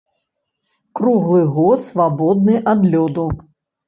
Круглы год свабодны ад лёду.